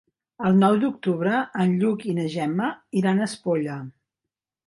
El nou d'octubre en Lluc i na Gemma iran a Espolla.